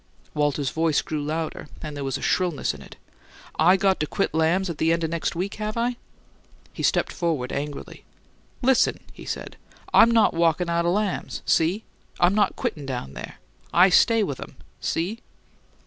Walter's voice grew louder, and there was a shrillness in it. "I got to quit Lamb's the end of next week, have I?" He stepped forward, angrily. "Listen!" he said. "I'm not walkin' out o' Lamb's, see? I'm not quittin' down there: I stay with 'em, see?"